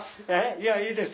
いやいいですよ。